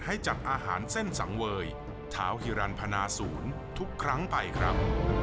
ให้จัดอาหารเส้นสังเวยท้าวฮิรันพนาศูนย์ทุกครั้งไปครับ